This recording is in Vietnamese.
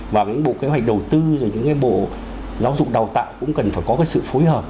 và những bộ kế hoạch đầu tư rồi những cái bộ giáo dục đào tạo cũng cần phải có cái sự phối hợp